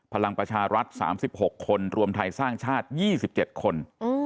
พลังประชารัฐ๓๖คนรวมไทยสร้างชาติ๒๗คน